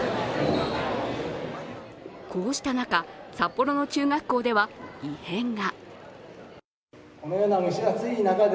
こうした中、札幌の中学校では異変が。